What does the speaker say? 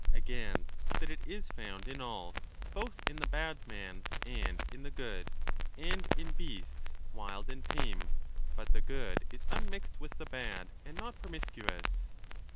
Again, that it is found in all, both in the bad man and in the good, an^ in beasts 1204*' wild and tame ; but the good is unmixed with the bad and not promiscuous.